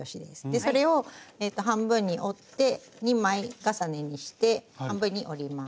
それを半分に折って２枚重ねにして半分に折ります。